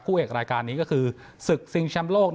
คู่เอกรายการนี้ก็คือศึกซิงชัมโลก